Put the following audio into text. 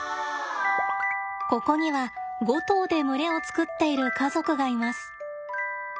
ここには５頭で群れを作っている家族がいます。